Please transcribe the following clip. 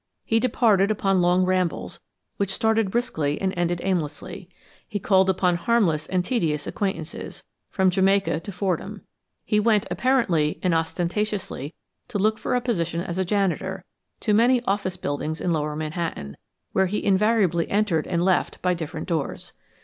He departed upon long rambles, which started briskly and ended aimlessly; he called upon harmless and tedious acquaintances, from Jamaica to Fordham; he went apparently and ostentatiously to look for a position as janitor to many office buildings in lower Manhattan, which he invariably entered and left by different doors.